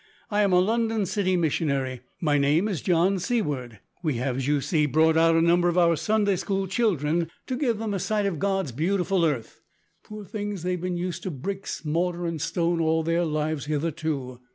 I am a London City Missionary. My name is John Seaward. We have, as you see, brought out a number of our Sunday school children, to give them a sight of God's beautiful earth; poor things, they've been used to bricks, mortar, and stone all their lives hitherto.